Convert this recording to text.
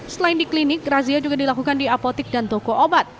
selain di klinik razia juga dilakukan di apotik dan toko obat